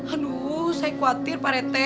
aduh saya khawatir pak r t